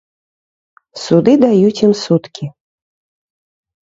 Суды даюць ім суткі.